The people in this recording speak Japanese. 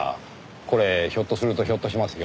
これひょっとするとひょっとしますよ。